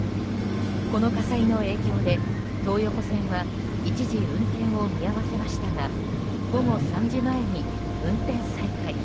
この火災の影響で東横線は一時運転を見合わせましたが午後３時前に運転再開。